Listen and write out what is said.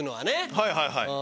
はいはいはい。